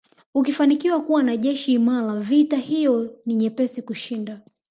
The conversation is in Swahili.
Ukifanikiwa kuwa na jeshi imara vita hiyo ni vyepesi kuishinda